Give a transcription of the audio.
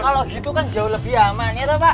kalau gitu kan jauh lebih aman gitu pak